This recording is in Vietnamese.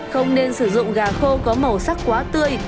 không nên sử dụng gà khô có màu sắc quá tươi